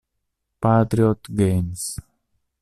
Patriot Games